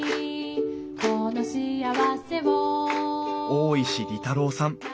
大石利太郎さん。